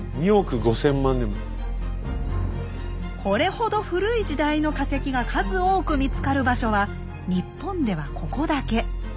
これほど古い時代の化石が数多く見つかる場所は日本ではここだけ。